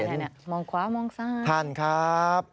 มองขวามองซ้ายท่านครับ